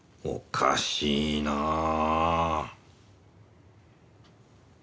おかしいなあ。